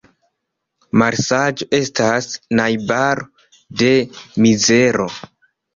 Malsaĝo estas najbaro de mizero.